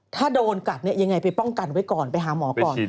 ถ้าโดนกัดเนี่ยยังไงไปป้องกันไว้ก่อนไปหาหมอก่อน